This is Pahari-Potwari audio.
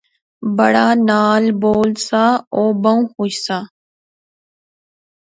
بڑا ناں بول سا او بہوں خوش سا